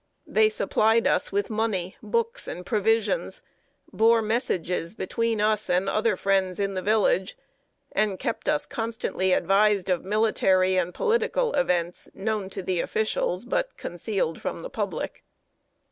They supplied us with money, books, and provisions; bore messages between us and other friends in the village; and kept us constantly advised of military and political events known to the officials, but concealed from the public.